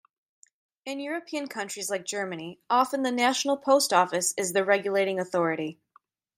In European countries like Germany often the national Post Office is the regulating authority.